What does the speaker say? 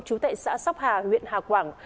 trú tại xã sóc hà huyện hà quảng